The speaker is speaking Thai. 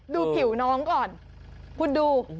ดูผิวน้องก่อนคุณดู